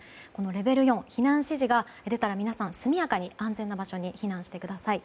レベル４、避難指示が出たら皆さん、速やかに安全な場所に避難してください。